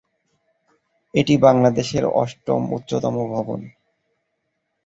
এটি বাংলাদেশের অষ্টম উচ্চতম ভবন।